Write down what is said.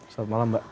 selamat malam mbak